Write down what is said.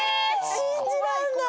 信じらんない。